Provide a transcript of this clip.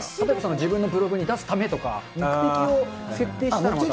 自分のブログに出すためとか、設定したら。